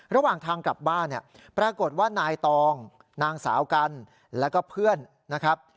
ระหว่างทางกลับบ้านเนี่ยปรากฏว่านายตองนางสาวกันแล้วก็เพื่อนนะครับ